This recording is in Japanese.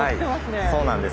はいそうなんです。